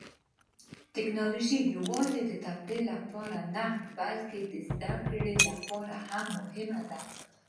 ټیکنالوژي یوازې د تفریح لپاره نه، بلکې د زده کړې لپاره هم مهمه ده.